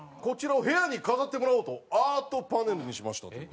こちらを部屋に飾ってもらおうとアートパネルにしました。